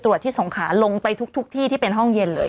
ที่สงขาลงไปทุกที่ที่เป็นห้องเย็นเลย